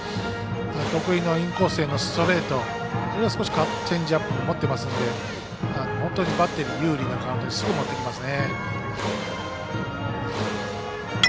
得意のインコースへのストレートあるいはチェンジアップも持っていますので本当にバッテリー有利なカウントにすぐ持っていきますね。